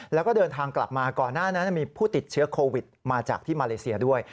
แล้วก็เดินทางกลับมาก่อนหน้านั้นมีผู้ติดเชื้อโควิดมาจากที่มาเลเซียด้วย